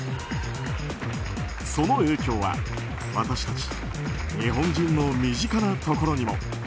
その影響は私たち日本人の身近なところにも。